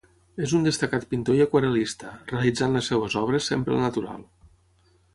És un destacat pintor i aquarel·lista, realitzant les seves obres sempre al natural.